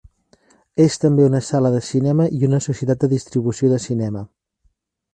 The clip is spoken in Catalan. És també una sala de cinema i una societat de distribució de cinema.